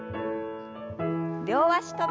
両足跳び。